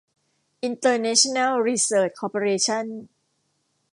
อินเตอร์เนชั่นแนล รีเสริช คอร์ปอเรชั่น